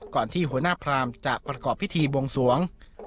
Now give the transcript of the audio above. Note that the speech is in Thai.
ก่อนที่หัวหน้าพราหมณ์จะประกอบพิธีบงสวง